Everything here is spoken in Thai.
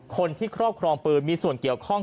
ครอบครองปืนมีส่วนเกี่ยวข้อง